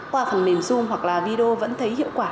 qua phần mềm zoom hoặc là video vẫn thấy hiệu quả